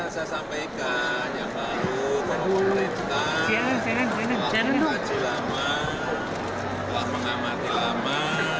saya sampaikan yang baru kalau pemerintah telah mengamati lama